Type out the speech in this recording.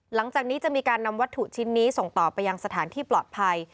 หลังจากนี้จะมีการนำวัตถุชิ้นนี้ส่งต่อไปยังสถานที่ปลอดภัย